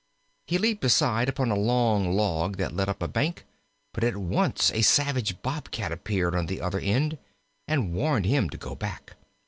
He leaped aside upon a long log that led up a bank, but at once a savage Bobcat appeared on the other end and warned him to go back.